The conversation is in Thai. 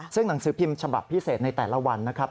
ซึ่งหนังสือพิมพ์ฉบับพิเศษในแต่ละวันนะครับ